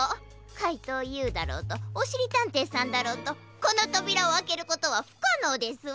かいとうＵだろうとおしりたんていさんだろうとこのとびらをあけることはふかのうですわ！